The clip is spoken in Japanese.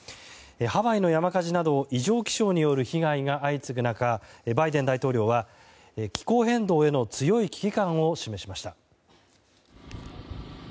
ハワイの山火事など異常気象による被害が相次ぐ中バイデン大統領は気候変動への強い危機感を示しました。